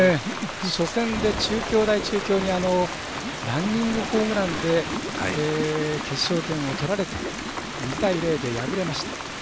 初戦で中京大中京にランニングホームランで決勝点を取られて２対０で敗れました。